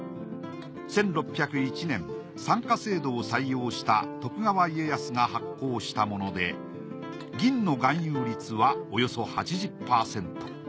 １６０１年三貨制度を採用した徳川家康が発行したもので銀の含有率はおよそ８０％。